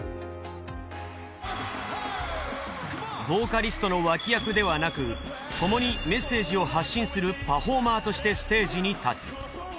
ボーカリストの脇役ではなく共にメッセージを発信するパフォーマーとしてステージに立つ。